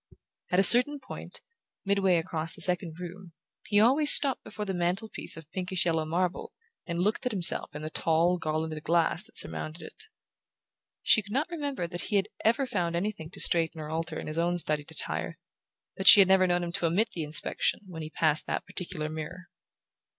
At a certain point, midway across the second room, he always stopped before the mantel piece of pinkish yellow marble and looked at himself in the tall garlanded glass that surmounted it. She could not remember that he had ever found anything to straighten or alter in his own studied attire, but she had never known him to omit the inspection when he passed that particular mirror.